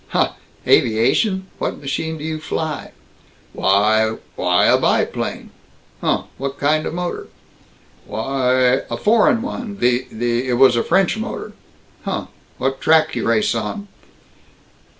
"Huh! Aviation! What machine d'you fly?" "Why, why a biplane!" "Huh! What kind of motor?" "Why, a foreign one. The the It was a French motor." "Huh! What track you race on?"